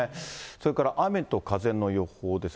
それから雨と風の予報です。